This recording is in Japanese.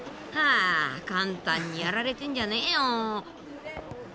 あ簡単にやられてんじゃねぇよ。